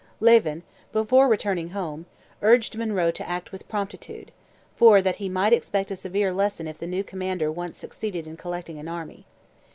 Lieven, before returning home, urged Monroe to act with promptitude, for that he might expect a severe lesson if the new commander once succeeded in collecting an army.